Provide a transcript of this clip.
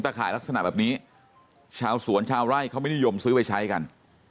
ข่ายลักษณะแบบนี้ชาวสวนชาวไร่เขาไม่นิยมซื้อไปใช้กัน